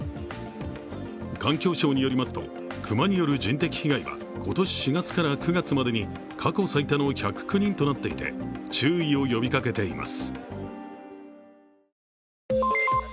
環境省によりますと、熊による人的被害は今年４月から９月までに過去最多の１０９人となっていて注意を呼びかけています。